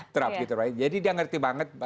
trump jadi dia mengerti banget